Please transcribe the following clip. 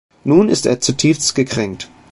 Nun ist er zutiefst gekränkt.